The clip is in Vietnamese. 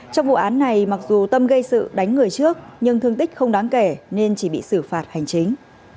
trong vụ án này mặc dù tâm gây sự đánh người trước nhưng thương tích không đáng kể nên chỉ bị xử phạt hành chính